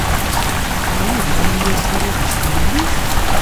Ɛni dɣa mi yerfa, ad isɣer ul-is?